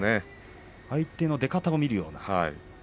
相手の出方を見るような。